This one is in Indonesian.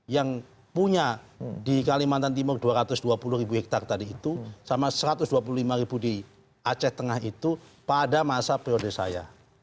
yang punya di kalimantan timur dua ratus dua puluh ribu hektare tadi itu sama satu ratus dua puluh lima ribu di aceh tengah itu pada masa periode saya